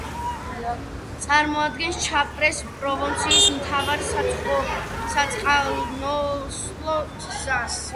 წარმოადგენს ჩაპარეს პროვინციის მთავარ საწყალოსნო გზას.